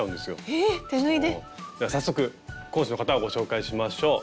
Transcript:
え手縫いで⁉では早速講師の方をご紹介しましょう。